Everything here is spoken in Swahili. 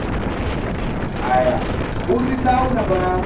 Karne ya kumi na tisa ilileta utawala wa kikoloni